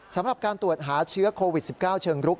สำหรับการตรวจหาเชื้อโควิด๑๙เชิงรุก